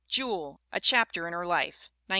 Jewel: a Chapter in Her Life, 1903.